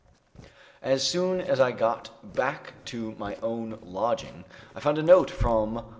As soon as I got back to my own lodging, I found a note from M.